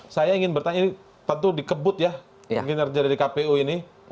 saya ingin bertanya tentu dikebut ya mungkin terjadi di kpu ini